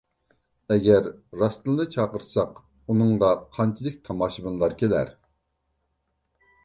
ئەگەر راستتىنلا چاقىرتساق، ئۇنىڭغا قانچىلىك تاماشىبىنلار كېلەر؟